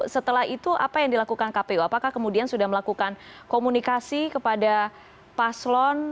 setelah itu apa yang dilakukan kpu apakah kemudian sudah melakukan komunikasi kepada paslon